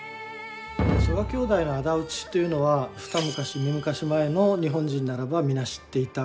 曽我兄弟の仇討ちというのは二昔三昔前の日本人ならば皆知っていた。